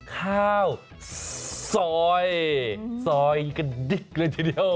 ข้าวซอยซอยกระดิกเลยทีเดียว